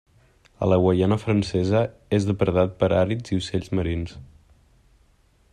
A la Guaiana Francesa és depredat per àrids i ocells marins.